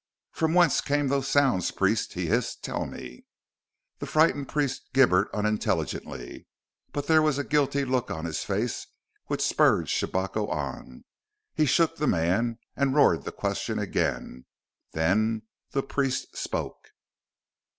"From whence came those sounds, Priest?" he hissed. "Tell me!" The frightened priest gibbered unintelligibly, but there was a guilty look on his face which spurred Shabako on. He shook the man and roared the question again. Then the priest spoke.